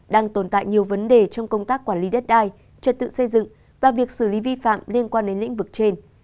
đang tồn tại nhiều vấn đề trong công tác quản lý đất đai trật tự xây dựng và việc xử lý vi phạm liên quan đến lĩnh vực trên